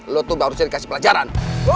lo tuh baru saya dikasih pelajaran